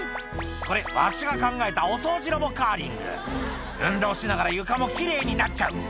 「これわしが考えたお掃除ロボカーリング」「運動しながら床も奇麗になっちゃう」